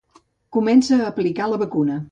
Comença a aplicar la vacuna.